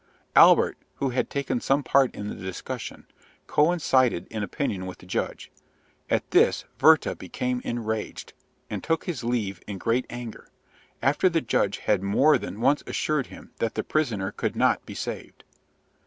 Albert, who had taken some part in the discussion, coincided in opinion with the judge. At this Werther became enraged, and took his leave in great anger, after the judge had more than once assured him that the prisoner could not be saved.